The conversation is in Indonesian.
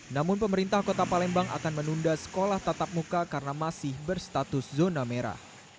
namun pemerintah kota palembang akan menunda sekolah tatap muka karena masih berstatus zona merah